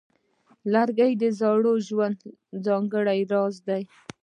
لرګی د زاړه ژوند ځانګړی راز دی.